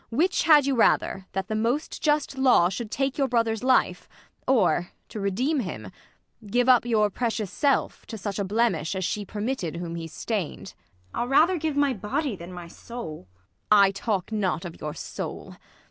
"Which had you rather, that the most just law Should take your brother's life, or, to redeem him, Give up your precious self to such a blemish As she permitted whom he stain'd 1 ISAB. I'll rather give my body than my soul. Ang. I talk not of your soul.